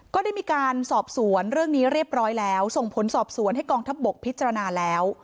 ก็ได้มีการสอบสวนเรื่องนี้เรียบร้อยแล้วส่งผลสอบสวนให้กองทัพบกพิจารณาแล้ว